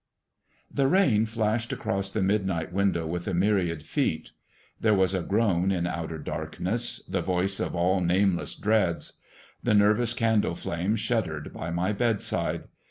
The rain flashed across the midnight window with a myriad feet. There was a groan in outer darkness, the voice of all nameless dreads. The nervous candle flame shuddered by my bedside.